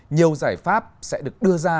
nhiều giải pháp sẽ được đưa ra